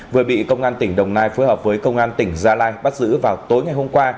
vừa bị công an tỉnh đồng nai phối hợp với công an tỉnh gia lai bắt giữ vào tối ngày hôm qua